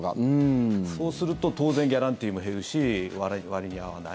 そうすると当然ギャランティーも減るし割に合わない。